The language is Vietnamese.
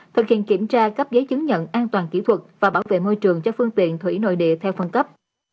thực hiện kiểm tra cấp giấy chứng nhận an toàn kỹ thuật và bảo vệ môi trường cho phương tiện thủy nội địa theo phân cấp